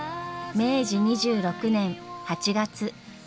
明治２６年８月。